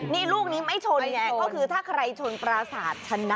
นี่ลูกนี้ไม่ชนไงก็คือถ้าใครชนปราสาทชนะ